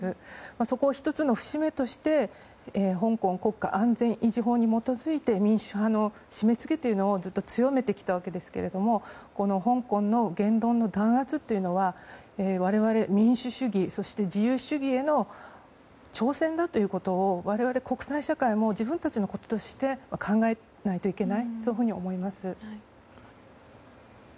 そこを１つの節目として香港国家安全維持法に基づいて民主派の締め付けというのを強めてきたわけですが香港の言論の弾圧というのは我々、民主主義そして自由主義への挑戦だということを我々、国際社会も自分たちのこととして考えないといけないと思います。